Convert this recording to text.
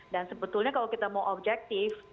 dan sebetulnya kalau kita mau objektif